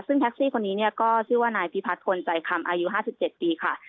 ซึ่งแท็กซี่คนนี้เนี่ยก็ชื่อว่านายพีพัดทนใจคำอายุห้าสิบเจ็ดปีค่ะ